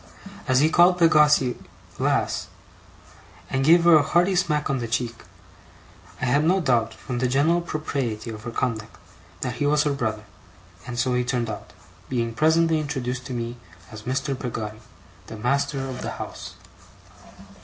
As he called Peggotty 'Lass', and gave her a hearty smack on the cheek, I had no doubt, from the general propriety of her conduct, that he was her brother; and so he turned out being presently introduced to me as Mr. Peggotty, the master of the house.